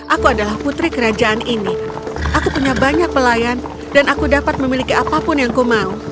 aku adalah putri kerajaan ini aku punya banyak pelayan dan aku dapat memiliki apapun yang ku mau